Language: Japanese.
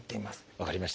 分かりました。